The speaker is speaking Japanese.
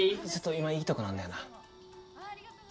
今いいとこなんだよな。